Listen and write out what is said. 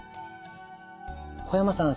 小山さん